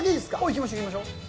行きましょう、行きましょう。